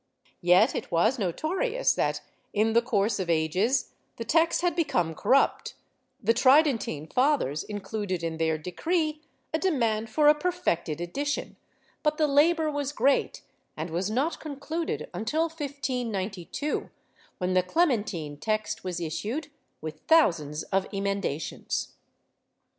Yet it was notori ous that, hi the course of ages, the text had become corrupt; the Tridentine fathers included in their decree a demand for a perfected edition, but the laljor was great and was not concluded until 1592, when the Clementine text was issued, with thousands of emendations.